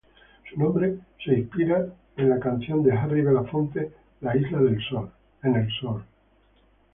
Su nombre fue inspirado por la canción de Harry Belafonte, "Island in the Sun".